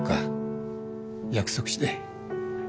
約束して。